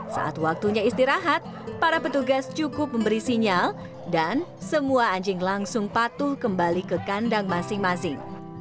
saat waktunya istirahat para petugas cukup memberi sinyal dan semua anjing langsung patuh kembali ke kandang masing masing